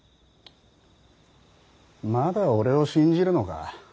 まだ俺を信じるのか。